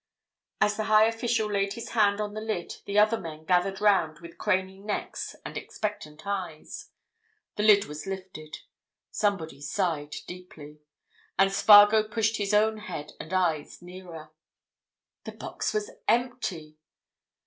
As the high official laid his hand on the lid the other men gathered round with craning necks and expectant eyes. The lid was lifted: somebody sighed deeply. And Spargo pushed his own head and eyes nearer. The box was empty!